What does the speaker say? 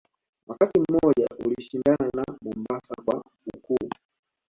Wakati mmoja ulishindana na Mombasa kwa ukuu